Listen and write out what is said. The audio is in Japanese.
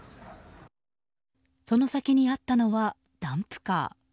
その先にあったのはダンプカー。